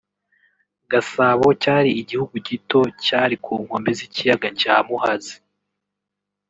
Gasabo cyari igihugu gito cyari ku nkombe z’ikiyaga cya Muhazi